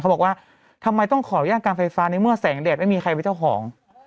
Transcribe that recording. บอกว่าทำไมต้องขออนุญาตการไฟฟ้าในเมื่อแสงแดดไม่มีใครเป็นเจ้าของ